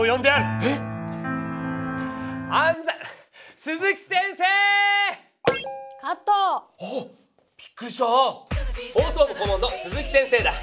放送部顧問の鈴木先生だ！